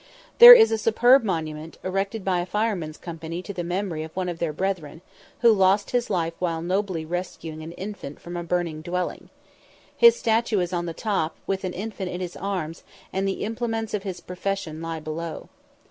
There is a superb monument, erected by a fireman's company to the memory of one of their brethren, who lost his life while nobly rescuing an infant from a burning dwelling. His statue is on the top, with an infant in his arms, and the implements of his profession lie below.